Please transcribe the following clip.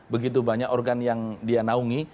begitu banyak organ yang dia naungi